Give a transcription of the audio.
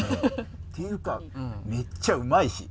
ていうかめっちゃうまいし。